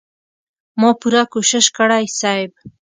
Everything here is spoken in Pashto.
ما پوره کوشش کړی صيب.